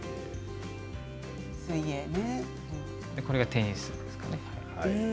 これがテニスですかね。